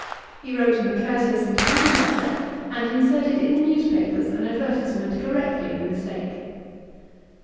He wrote him a courteous and kind letter, and inserted in the news papers an advertisement, correcting the mistake.